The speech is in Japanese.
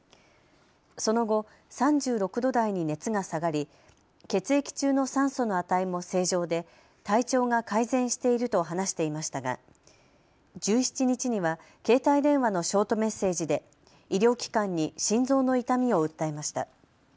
その後、３６度台に熱が下がり血液中の酸素の値も正常で体調が改善していると話していましたが１７日には携帯電話のショートメッセージで医療機関に心臓の痛みを訴えました。